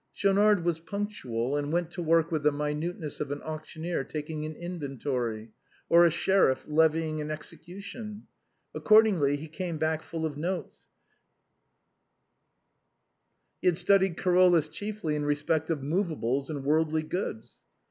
Schaunard was punctual and went to work with the minuteness of an auctioneer taking an inventory, or a sheriff levying an execution. Accordingly he came back 148 THE BOHEMIANS OF THE LATIN QUARTER. full of notes; he had studied Carolus chiefly in respect of his movables and worldly goods.